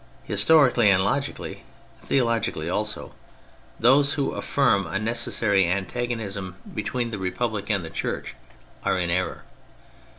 Historically and logically, theologically also, those who affirm a necessary antagonism 218 THE FRENCH REVOLUTION between the Republic and the Church are in error.